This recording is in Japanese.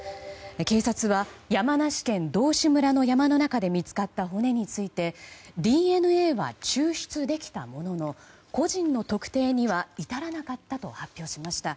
警察は山梨県道志村の山の中で見つかった骨についてＤＮＡは抽出できたものの個人の特定には至らなかったと発表しました。